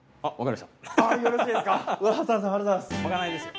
まかないですよね？